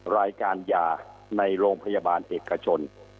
รายการยาในโรงพยาบาลเอกชน